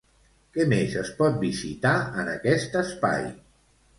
Què més es pot visitar en aquest espai?